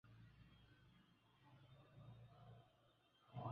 alipo alipoondoka kuondoa shari katika nchi yake